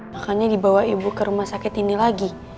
makanya dibawa ibu ke rumah sakit ini lagi